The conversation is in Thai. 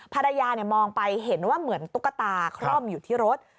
ภรรยามองไปเห็นว่าเหมือนตุ๊กตาคร่อมอยู่ที่รถ